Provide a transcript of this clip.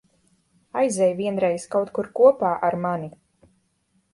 Aizej vienreiz kaut kur kopā ar mani.